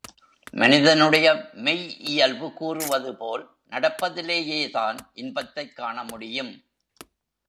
மனிதனுடைய மெய் இயல்பு கூறுவதுபோல் நடப்பதிலேயேதான் இன்பத்தைக் காண முடியும்.